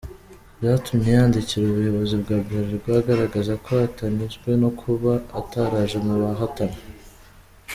Byatumye yandikira ubuyobozi wa Bralirwa agaragaza ko atanyuzwe no kuba ataraje mu bahatana.